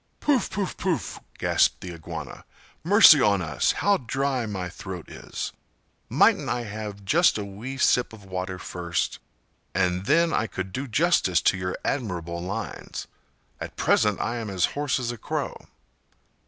'" "Pouf! pouf! pouf!" gasped the Iguana. "Mercy on us, how dry my throat is! Mightn't I have just a wee sip of water first? and then I could do justice to your admirable lines; at present I am as hoarse as a crow!"